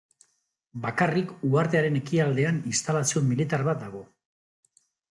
Bakarrik uhartearen ekialdean instalazio militar bat dago.